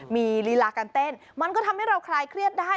มีลีลาการเต้นมันก็ทำให้เราคลายเครียดได้